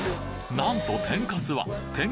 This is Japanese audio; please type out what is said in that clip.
なんと天かすはてん